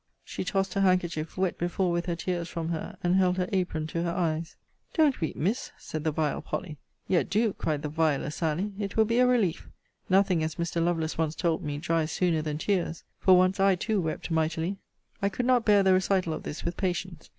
She tossed her handkerchief, wet before with her tears, from her, and held her apron to her eyes. Don't weep, Miss! said the vile Polly. Yet do, cried the viler Sally, it will be a relief. Nothing, as Mr. Lovelace once told me, dries sooner than tears. For once I too wept mightily. I could not bear the recital of this with patience.